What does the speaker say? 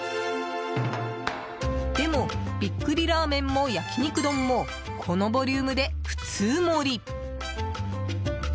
でも、ビックリラーメンも焼肉丼もこのボリュームで、普通盛り。